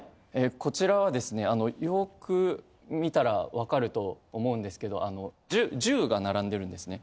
こちらはですねよく見たらわかると思うんですけどあの銃が並んでるんですね。